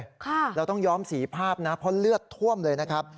เราต้องย้อมสีภาพนะเพราะเลือดท่วมเลยนะครับ